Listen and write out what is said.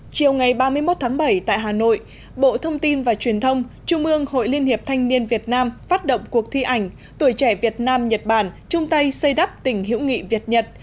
chiều ngày ba mươi một tháng bảy tại hà nội bộ thông tin và truyền thông trung ương hội liên hiệp thanh niên việt nam phát động cuộc thi ảnh tuổi trẻ việt nam nhật bản chung tay xây đắp tỉnh hữu nghị việt nhật